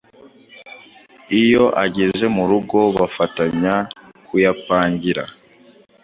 Iyo ageze mu rugo bafatanya kuyapangira,